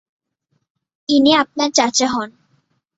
ইনি আপনার চাচা হন।